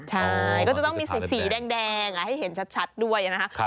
ใช่ก็จะต้องมีสีแดงให้เห็นชัดด้วยนะครับ